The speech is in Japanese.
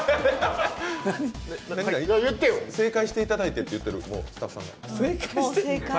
正解していただいてって言ってる、スタッフさんが。